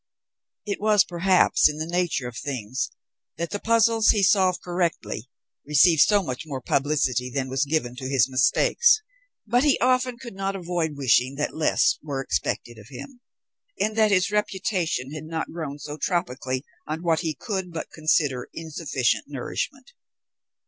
It was, perhaps, in the nature of things that the puzzles he solved correctly received so much more publicity than was given to his mistakes; but he often could not avoid wishing that less were expected of him, and that his reputation had not grown so tropically on what he could but consider insufficient nourishment.